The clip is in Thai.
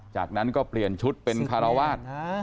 จากนั้นก็เปลี่ยนชุดเป็นคารวาส